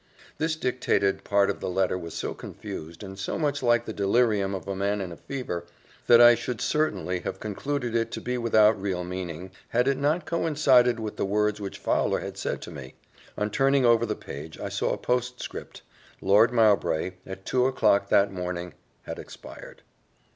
This dictated part of the letter was so confused, and so much like the delirium of a man in a fever, that I should certainly have concluded it to be without real meaning, had it not coincided with the words which Fowler had said to me. On turning over the page I saw a postscript Lord Mowbray, at two o'clock that morning, had expired.